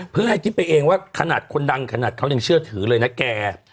เพื่อให้คิดไปเองว่าขนาดคนดังขนาดเขายังเชื่อถือเลยนะแก